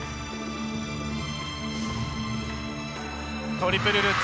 トリプルルッツ。